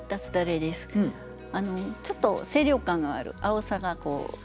ちょっと清涼感のある青さがこう際立つ。